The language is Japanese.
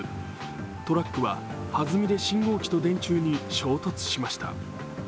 トラックははずみで信号機と電柱に衝突しました。